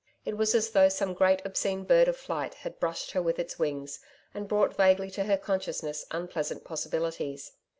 It was as though some great obscene bird of flight had brushed her with its wings, and brought vaguely to her consciousness unpleasant possibilities.